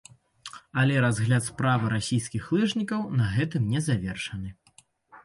Але разгляд справы расійскіх лыжнікаў на гэтым не завершаны.